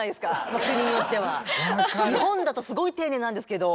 日本だとすごい丁寧なんですけど。